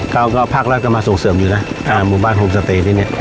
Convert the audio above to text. เขาก็พักแล้วก็มาส่งเสื่อมอยู่น่ะอ่าหมู่บ้านโฮมสเตย์ที่เนี้ย